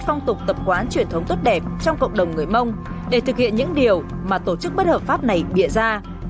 phong tục tập quán truyền thống tốt đẹp trong cộng đồng người mông để thực hiện những điều mà tổ chức bất hợp pháp này bịa ra